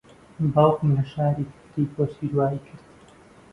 باوکم لە شاری کفری کۆچی دوایی کرد.